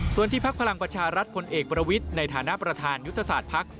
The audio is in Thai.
ส่วนที่พักพลังประชารัฐพลเอกประวิทย์ในฐานะประธานยุทธศาสตร์ภักดิ์